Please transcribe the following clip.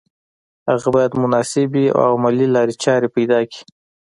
هغه بايد مناسبې او عملي لارې چارې پيدا کړي.